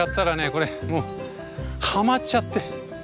これもうはまっちゃって。